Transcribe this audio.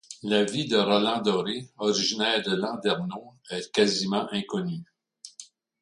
La vie de Roland Doré, originaire de Landerneau, est quasiment inconnue.